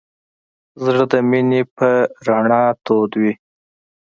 زړه د مینې په رڼا تود وي.